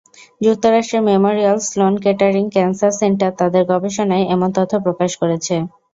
যুক্তরাষ্ট্রের Memorial Sloan Kettering Cancer Center তাদের গবেষণায় এমন তথ্য প্রকাশ করেছে।